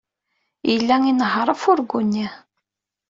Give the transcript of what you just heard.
Yella inehheṛ afurgu-nni.